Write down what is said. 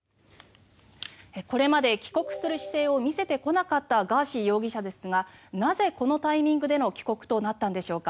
これまで帰国する姿勢を見せてこなかったガーシー容疑者ですがなぜ、このタイミングでの帰国となったんでしょうか。